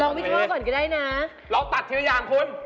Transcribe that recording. ลองวิเคราะห์ก่อก็ได้นะเราตัดทันอย่างคุณ